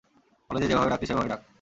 কলেজে যেভাবে ডাকতি সেভাবেই ডাক।